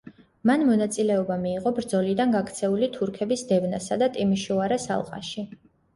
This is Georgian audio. მან მონაწილეობა მიიღო ბრძოლიდან გაქცეული თურქების დევნასა და ტიმიშოარას ალყაში.